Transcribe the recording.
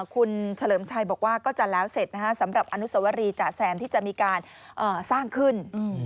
คุณเฉลิมชัยบอกว่าก็จะแล้วเสร็จสำหรับอนุสวรีจ๋าแซมที่จะมีการสร้างขึ้น